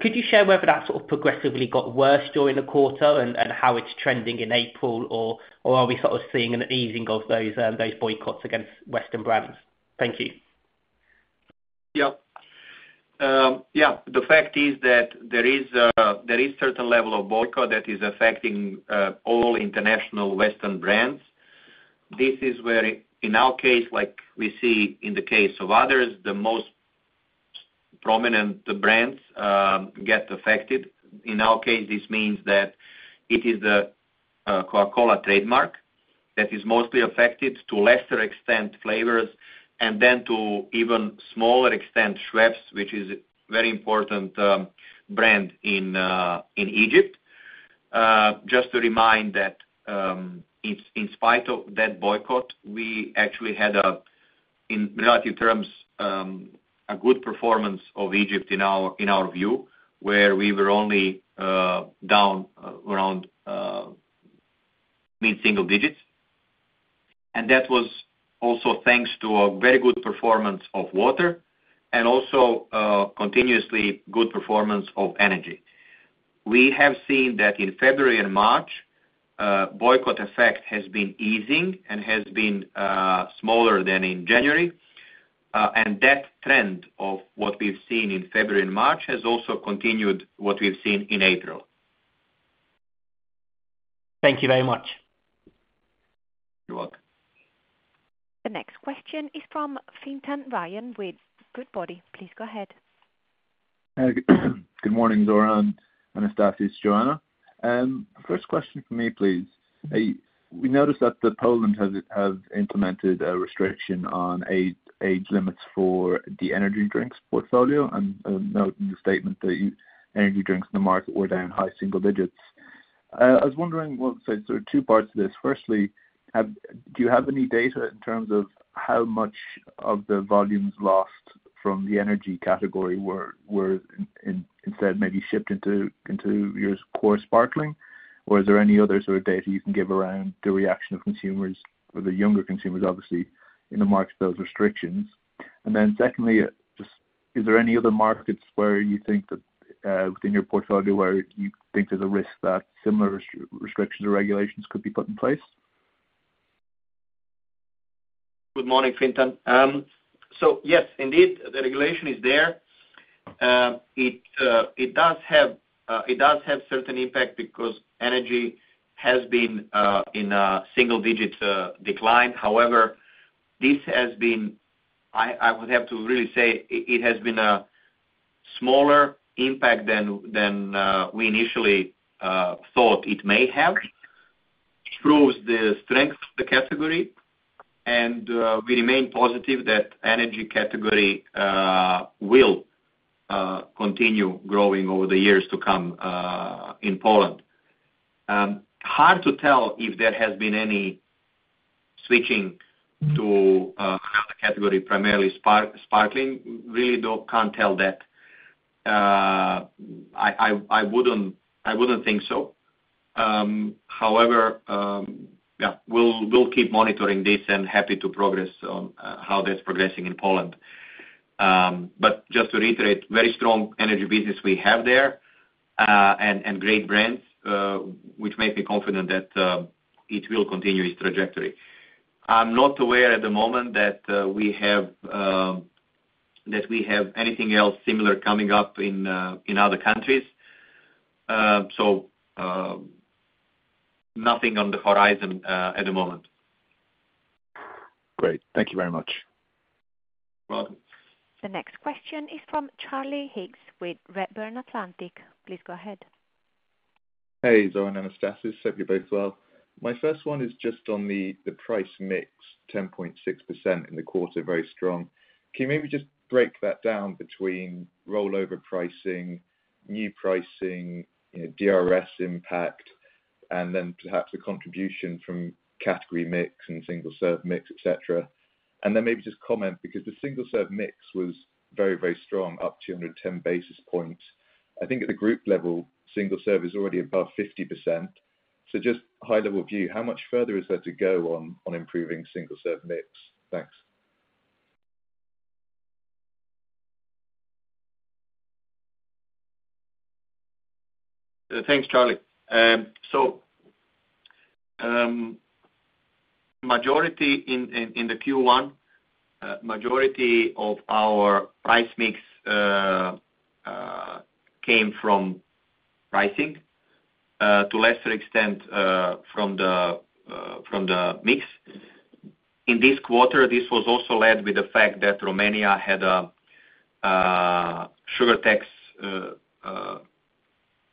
S10: Could you share whether that sort of progressively got worse during the quarter and, and how it's trending in April, or, or are we sort of seeing an easing of those, those boycotts against Western brands? Thank you.
S3: Yeah. Yeah, the fact is that there is a certain level of boycott that is affecting all international Western brands. This is where, in our case, like we see in the case of others, the most prominent brands get affected. In our case, this means that it is the Coca-Cola trademark that is mostly affected, to lesser extent flavors, and then to even smaller extent Schweppes, which is a very important brand in in Egypt. Just to remind that, in in spite of that boycott, we actually had a, in relative terms, a good performance of Egypt in our in our view, where we were only down around mid-single digits. And that was also thanks to a very good performance of water and also continuously good performance of energy. We have seen that in February and March, boycott effect has been easing and has been smaller than in January. That trend of what we've seen in February and March has also continued what we've seen in April.
S10: Thank you very much.
S3: You're welcome.
S1: The next question is from Fintan Ryan with Goodbody. Please go ahead.
S11: Good morning, Zoran, Anastasis, Joanna. First question for me, please. We noticed that Poland has implemented a restriction on age limits for the energy drinks portfolio, and noting the statement that energy drinks in the market were down high single digits. I was wondering what. So there are two parts to this. Firstly, do you have any data in terms of how much of the volumes lost from the energy category were instead maybe shipped into your core sparkling? Or is there any other sort of data you can give around the reaction of consumers or the younger consumers, obviously, in the market, those restrictions? And then secondly, just is there any other markets where you think that, within your portfolio, where you think there's a risk that similar restrictions or regulations could be put in place?
S3: Good morning, Fintan. So yes, indeed, the regulation is there. It does have certain impact because energy has been in single digits decline. However, this has been a smaller impact than we initially thought it may have. Shows the strength of the category, and we remain positive that energy category will continue growing over the years to come in Poland. Hard to tell if there has been any switching to another category, primarily sparkling. Really don't, can't tell that. I wouldn't think so. However, yeah, we'll keep monitoring this and happy to progress on how that's progressing in Poland. But just to reiterate, very strong energy business we have there, and great brands, which make me confident that it will continue its trajectory. I'm not aware at the moment that we have anything else similar coming up in other countries. So, nothing on the horizon at the moment.
S11: Great. Thank you very much.
S3: Welcome.
S1: The next question is from Charlie Higgs with Redburn Atlantic. Please go ahead.
S12: Hey, Zoran, Anastasis, hope you're both well. My first one is just on the, the price mix, 10.6% in the quarter, very strong. Can you maybe just break that down between rollover pricing, new pricing, you know, DRS impact, and then perhaps the contribution from category mix and single-serve mix, et cetera? And then maybe just comment, because the single-serve mix was very, very strong, up 210 basis points. I think at the group level, single serve is already above 50%. So just high level view, how much further is there to go on, on improving single-serve mix? Thanks.
S3: Thanks, Charlie. So, majority of our price mix in Q1 came from pricing to lesser extent from the mix. In this quarter, this was also led with the fact that Romania had a sugar tax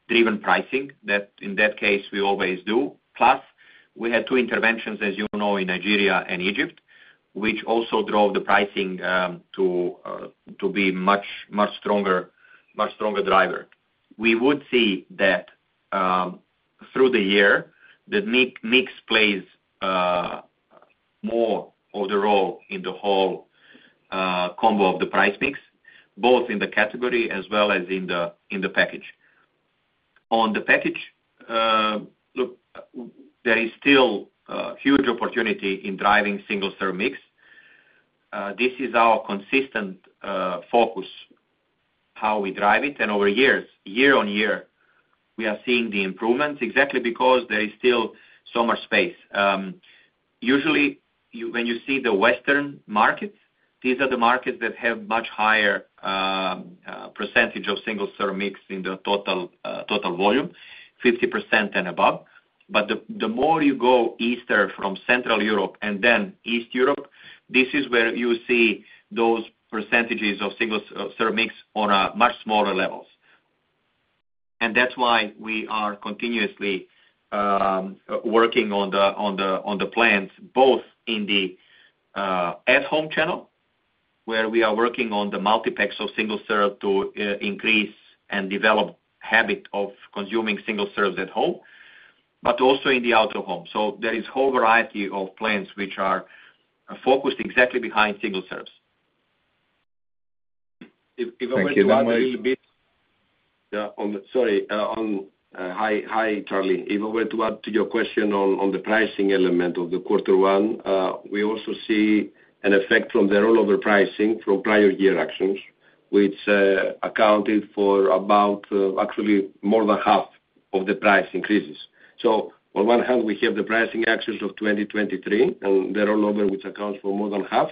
S3: driven pricing, that in that case, we always do. Plus, we had two interventions, as you know, in Nigeria and Egypt, which also drove the pricing to be much stronger driver. We would see that through the year, that mix plays more of the role in the whole combo of the price mix, both in the category as well as in the package. On the package, look, there is still a huge opportunity in driving single-serve mix. This is our consistent focus, how we drive it, and over years, year-over-year, we are seeing the improvements exactly because there is still so much space. Usually, when you see the Western markets, these are the markets that have much higher percentage of single-serve mix in the total volume, 50% and above. But the more you go eastern from Central Europe and then East Europe, this is where you see those percentages of single-serve mix on a much smaller levels. And that's why we are continuously working on the plans, both in the at-home channel, where we are working on the mix of single-serve to increase and develop habit of consuming single serves at home, but also in the out-of-home. There is a whole variety of plans which are focused exactly behind single serves.
S12: Thank you very much.
S5: If I may add a little bit. Yeah, on the - sorry, on, hi, Charlie. If I were to add to your question on the pricing element of quarter one, we also see an effect from the rollover pricing from prior year actions, which accounted for about, actually more than half of the price increases. So on one hand, we have the pricing actions of 2023 and the rollover, which accounts for more than half.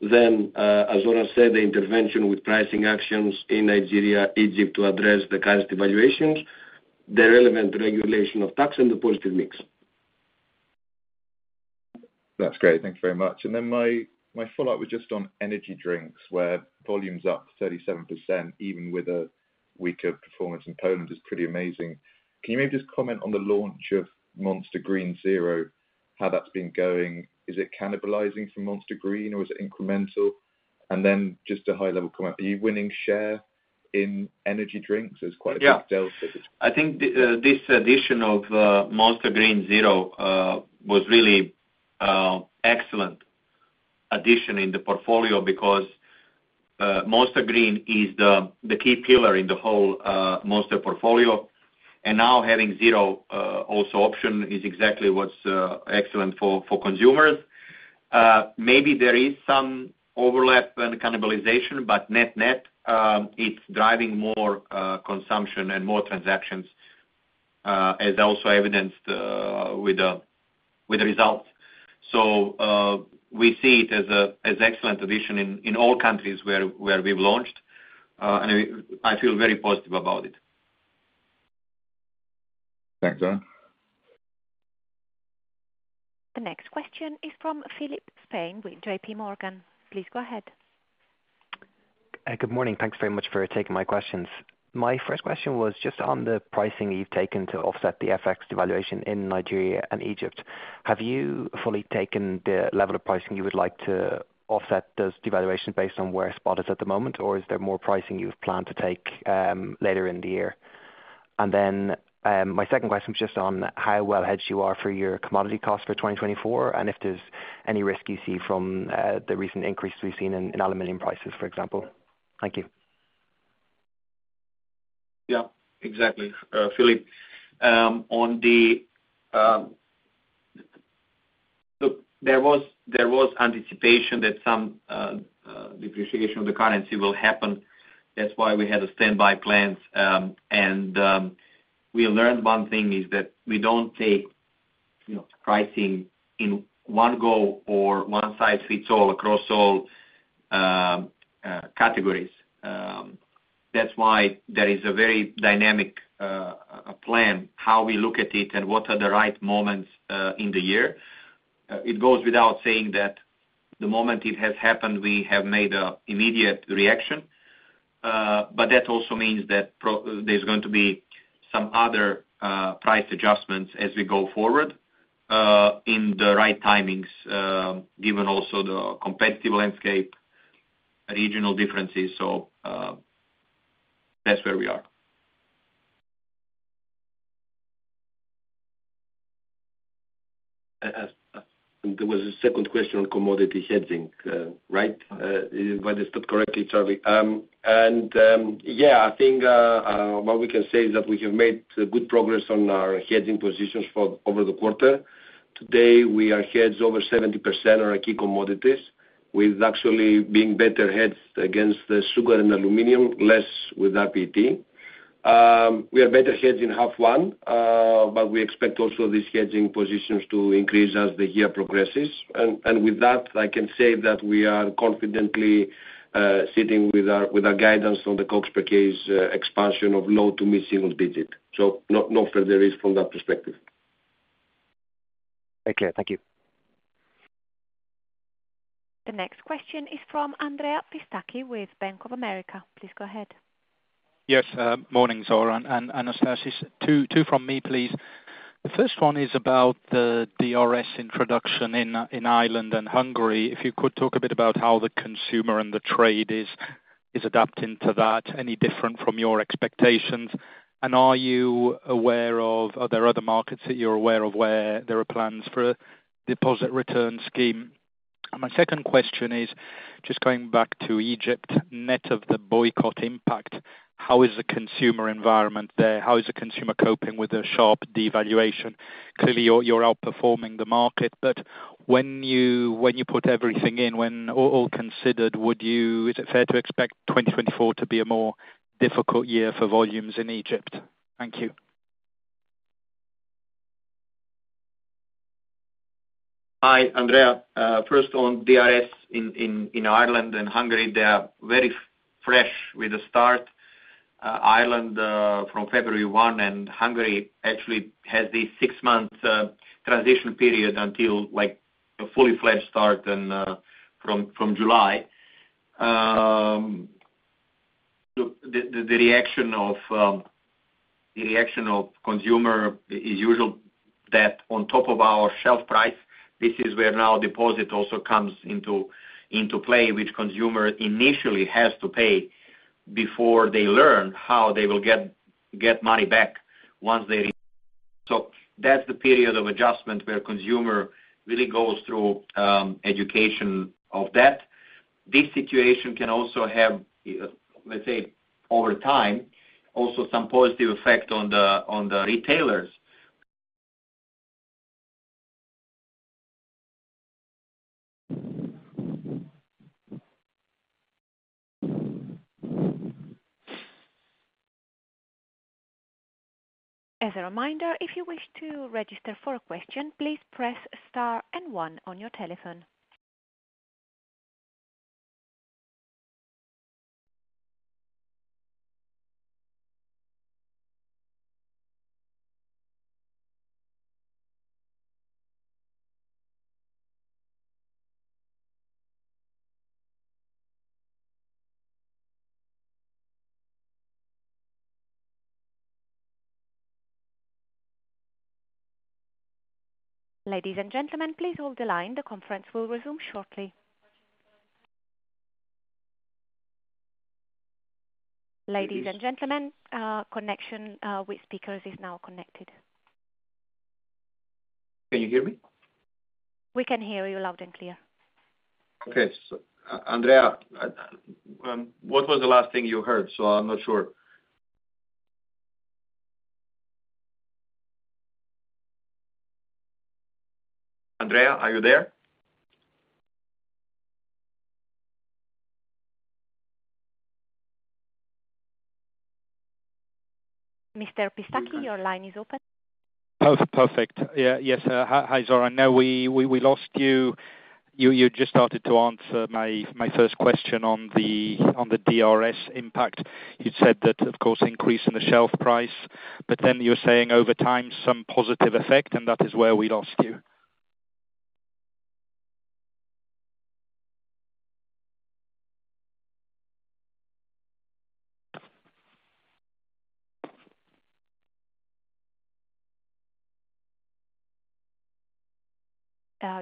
S5: Then, as Zoran said, the intervention with pricing actions in Nigeria, Egypt, to address the current devaluations, the relevant regulation of tax and the positive mix.
S12: That's great. Thank you very much. And then my follow-up was just on energy drinks, where volume's up 37%, even with a weaker performance in Poland, is pretty amazing. Can you maybe just comment on the launch of Monster Green Zero, how that's been going? Is it cannibalizing from Monster Green, or is it incremental? And then just a high-level comment, are you winning share in energy drinks? There's quite a big delta.
S3: Yeah. I think the this addition of Monster Green Zero was really excellent addition in the portfolio because Monster Green is the the key pillar in the whole Monster portfolio. And now having Zero also option is exactly what's excellent for for consumers. Maybe there is some overlap and cannibalization, but net-net, it's driving more consumption and more transactions as also evidenced with the with the results. So we see it as a as excellent addition in in all countries where where we've launched and we. I feel very positive about it.
S12: Thanks, Zoran.
S1: The next question is from Philip Spain, with JPMorgan. Please go ahead.
S13: Good morning. Thanks very much for taking my questions. My first question was just on the pricing you've taken to offset the FX devaluation in Nigeria and Egypt. Have you fully taken the level of pricing you would like to offset those devaluation based on where spot is at the moment, or is there more pricing you've planned to take later in the year? And then, my second question is just on how well hedged you are for your commodity costs for 2024, and if there's any risk you see from the recent increases we've seen in aluminum prices, for example. Thank you.
S3: Yeah, exactly, Philip. On the look, there was anticipation that some depreciation of the currency will happen. That's why we had a standby plan. And we learned one thing is that we don't take, you know, pricing in one go or one size fits all across all categories. That's why there is a very dynamic plan, how we look at it and what are the right moments in the year. It goes without saying that the moment it has happened, we have made an immediate reaction. But that also means that there's going to be some other price adjustments as we go forward in the right timings, given also the competitive landscape, regional differences. So, that's where we are. There was a second question on commodity hedging, right? If I understood correctly, sorry. Yeah, I think what we can say is that we have made good progress on our hedging positions over the quarter. Today, we are hedged over 70% on our key commodities, with actually being better hedged against the sugar and aluminum, less with PET. We are better hedged in first half, but we expect also these hedging positions to increase as the year progresses. And with that, I can say that we are confidently sitting with our guidance on the cost per case expansion of low- to mid-single-digit. So no further risk from that perspective.
S13: Very clear. Thank you.
S1: The next question is from Andrea Pistacchi with Bank of America. Please go ahead.
S14: Yes, morning, Zoran and Anastasis. Two from me, please. The first one is about the DRS introduction in Ireland and Hungary. If you could talk a bit about how the consumer and the trade is adapting to that, any different from your expectations? And are you aware of. Are there other markets that you're aware of, where there are plans for a deposit return scheme? My second question is just going back to Egypt. Net of the boycott impact, how is the consumer environment there? How is the consumer coping with the sharp devaluation? Clearly, you're outperforming the market, but when you put everything in, when all considered, is it fair to expect 2024 to be a more difficult year for volumes in Egypt? Thank you.
S3: Hi, Andrea. First on DRS in Ireland and Hungary, they are very fresh with the start. Ireland from February 1, and Hungary actually has this six-month transition period until, like, a fully fledged start and from July. The reaction of consumer is usual that on top of our shelf price, this is where now deposit also comes into play, which consumer initially has to pay before they learn how they will get money back once they're in. So that's the period of adjustment where consumer really goes through education of that. This situation can also have, let's say, over time, also some positive effect on the retailers.
S1: As a reminder, if you wish to register for a question, please press star and one on your telephone. Ladies and gentlemen, please hold the line. The conference will resume shortly. Ladies and gentlemen, connection with speakers is now connected.
S3: Can you hear me?
S1: We can hear you loud and clear.
S3: Okay. Andrea, what was the last thing you heard? I'm not sure. Andrea, are you there?
S1: Mr. Pistacchi, your line is open.
S14: Perfect. Yeah. Yes, hi, Zoran. I know we lost you. You just started to answer my first question on the DRS impact. You'd said that, of course, increase in the shelf price, but then you're saying over time, some positive effect, and that is where we lost you.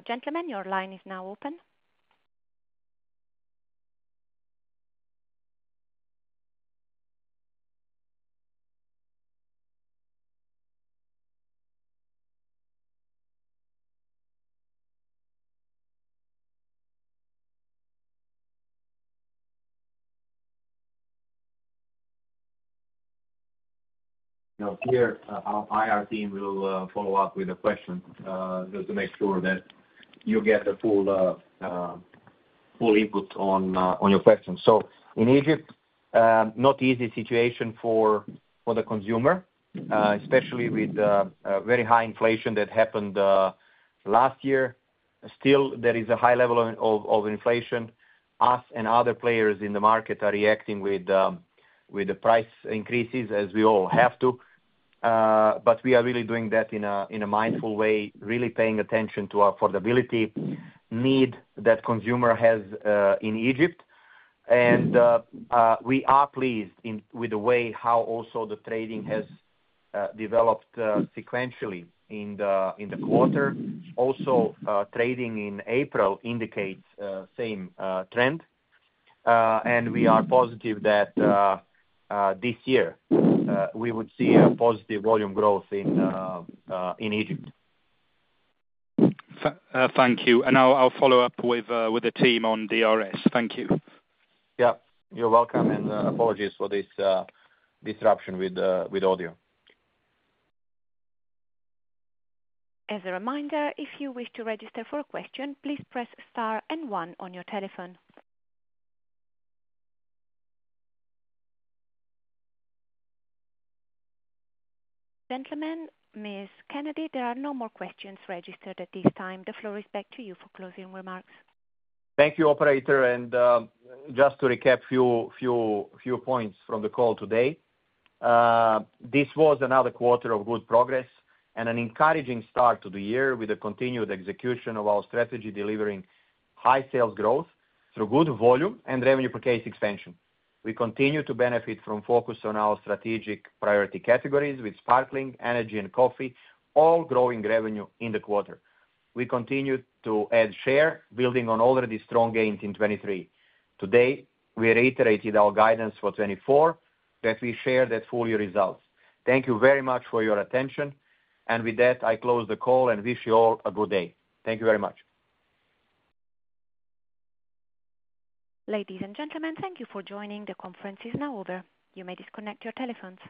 S1: Gentlemen, your line is now open.
S3: No, here, our IR team will follow-up with a question, just to make sure that you get a full, full input on your question. So in Egypt, not easy situation for the consumer, especially with very high inflation that happened last year. Still, there is a high level of inflation. Us and other players in the market are reacting with the price increases as we all have to. But we are really doing that in a mindful way, really paying attention to affordability need that consumer has in Egypt. And we are pleased with the way how also the trading has developed sequentially in the quarter. Also, trading in April indicates same trend. And we are positive that this year we would see a positive volume growth in Egypt.
S14: Thank you, and I'll follow-up with the team on DRS. Thank you.
S3: Yeah, you're welcome, and apologies for this disruption with audio.
S1: As a reminder, if you wish to register for a question, please press star and one on your telephone. Gentlemen, Ms. Kennedy, there are no more questions registered at this time. The floor is back to you for closing remarks.
S3: Thank you, operator, and just to recap few points from the call today. This was another quarter of good progress and an encouraging start to the year with the continued execution of our strategy, delivering high sales growth through good volume and revenue per case expansion. We continue to benefit from focus on our strategic priority categories with sparkling, energy and coffee, all growing revenue in the quarter. We continued to add share, building on already strong gains in 2023. Today, we reiterated our guidance for 2024, that we shared at full year results. Thank you very much for your attention, and with that, I close the call and wish you all a good day. Thank you very much.
S1: Ladies and gentlemen, thank you for joining. The conference is now over. You may disconnect your telephones.